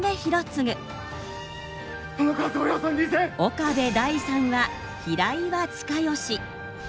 岡部大さんは平岩親吉。